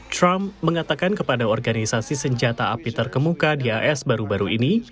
trump mengatakan kepada organisasi senjata api terkemuka di as baru baru ini